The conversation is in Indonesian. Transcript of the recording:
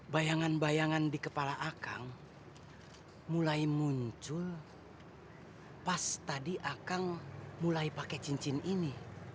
bayangan bayangan di kepala akang mulai muncul pas tadi akang mulai pakai cincin ini